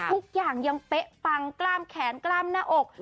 ทุกอย่างยังเป๊ะปังกล้ามแขนกล้ามหน้าอก